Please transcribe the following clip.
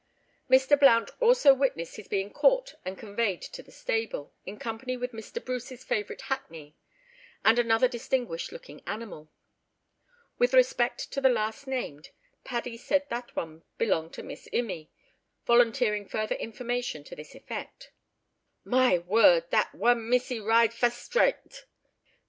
Mr. Blount also witnessed his being caught and conveyed to the stable, in company with Mr. Bruce's favourite hackney, and another distinguished looking animal. With respect to the last named, Paddy said that one "belong'n Miss Immie," volunteering further information to this effect. "My word! that one missy ride fustrate."